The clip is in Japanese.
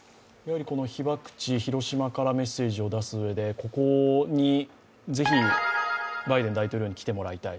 被爆地、広島からメッセージを出すうえでここにぜひ、バイデン大統領に来てもらいたい。